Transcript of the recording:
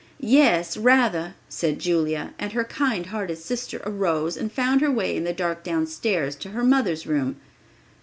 "Yes, rather," said Julia, and her kind hearted sister arose and found her way in the dark downstairs to her mother's room.